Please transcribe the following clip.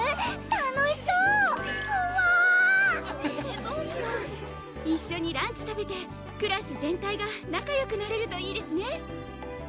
楽しそう！はわぁ一緒にランチ食べてクラス全体が仲よくなれるといいですね